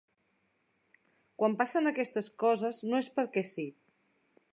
Quan passen aquestes coses no és perquè sí.